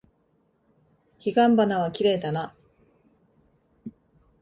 彼岸花はきれいだな。